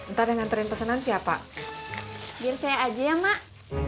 ntar yang nganterin pesanan siapa biar saya aja ya mak